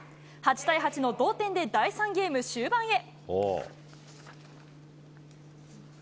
８対８の同点で第３ゲーム終盤へ。